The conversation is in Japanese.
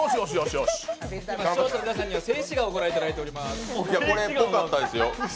今視聴者の皆さんには静止画をご覧いただいています。